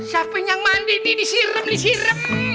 siapa yang mandi disirem disirem